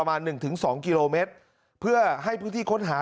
มึงอยากให้ผู้ห่างติดคุกหรอ